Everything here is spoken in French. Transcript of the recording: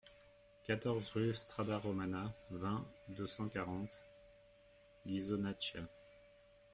quatorze rue Strada Romana, vingt, deux cent quarante, Ghisonaccia